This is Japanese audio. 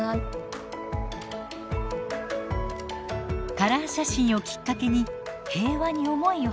カラー写真をきっかけに平和に思いをはせてほしい。